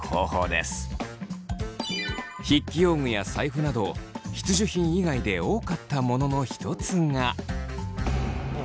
筆記用具や財布など必需品以外で多かったものの一つが。